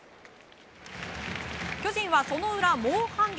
巨人はその裏、猛反撃。